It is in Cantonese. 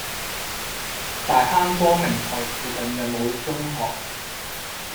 大坑光明臺附近有無中學？